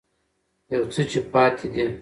يو څه چې پاتې دي